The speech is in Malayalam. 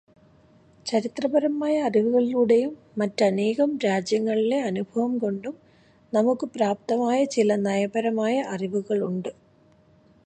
ചരിത്രപരമായ അറിവുകളിലൂടെയും മറ്റനേകം രാജ്യങ്ങളിലെ അനുഭവംകൊണ്ടും നമുക്ക് പ്രാപ്തമായ ചില നയപരമായ അറിവുകളുണ്ട്.